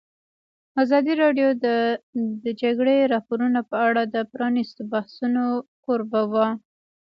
ازادي راډیو د د جګړې راپورونه په اړه د پرانیستو بحثونو کوربه وه.